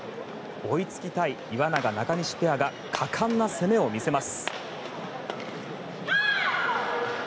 追いつきたい岩永、中西ペアが果敢な攻めを見せます。